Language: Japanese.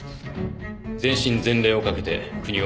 全身全霊を懸けて国を守る。